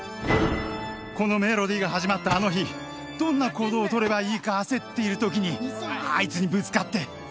このメロディーが始まったあの日どんな行動をとればいいか焦っているときにあいつにぶつかって。